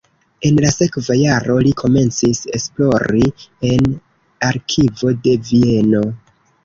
En la sekva jaro li komencis esplori en arkivo de Vieno.